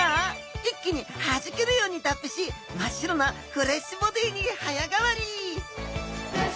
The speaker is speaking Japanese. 一気にはじけるように脱皮し真っ白なフレッシュボディーに早変わり！